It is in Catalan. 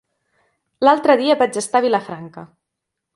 L'altre dia vaig estar a Vilafranca.